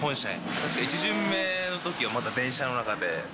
確か１巡目のときはまた電車の中で。